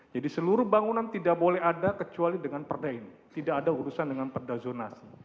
jadi seluruh bangunan tidak boleh ada kecuali dengan perda ini tidak ada urusan dengan perda zonasi